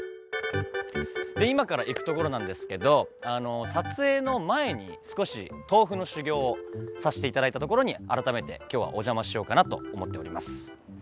今から行くところなんですけど撮影の前に少し豆腐の修業をさせていただいた所に改めて今日はお邪魔しようかなと思っております。